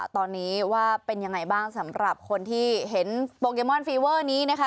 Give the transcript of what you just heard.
ตอนนี้ว่าเป็นยังไงบ้างสำหรับคนที่เห็นโปเกมอนฟีเวอร์นี้นะคะ